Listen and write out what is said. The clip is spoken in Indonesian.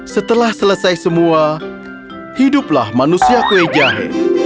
setelah selesai semua hiduplah manusia kue jahe